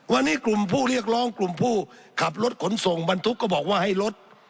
วันนี้กลุ่มผู้เรียกร้องกลุ่มผู้ขับรถขนส่งบรรทุกก็บอกว่าให้ลด